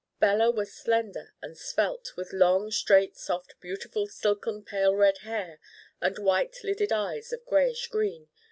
Bella was slender and svelte, with long straight soft beautiful silken pale red hair and white lidded eyes of grayish green.